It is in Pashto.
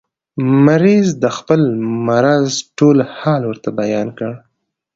مریض د خپل مرض ټول حال ورته بیان کړ.